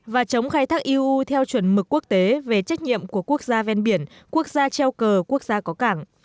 và chống khai thác eu theo chuẩn mực quốc tế về trách nhiệm của quốc gia ven biển quốc gia treo cờ quốc gia có cảng